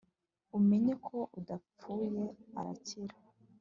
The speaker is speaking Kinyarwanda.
umenye ko udapfuye arakira